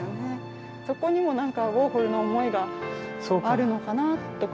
そこにもなんかウォーホルの思いがあるのかなとか。